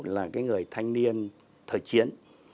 là người thanh niên thời chiến